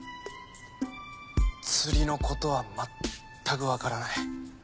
釣りのことはまったくわからない。